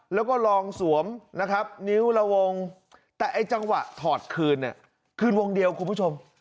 แล้วก็ลองสวมนะครับนิ้วละวงแต่ไอ้จังหวะถอดคืนเนี่ยคืนคืนวงเดียวคุณผู้ชม